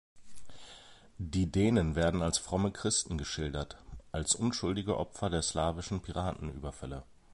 Die Dänen werden als fromme Christen geschildert, als unschuldige Opfer der slawischen Piratenüberfälle.